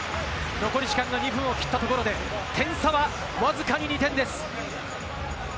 残り時間が２分を切ったところで点差はわずかに２点です。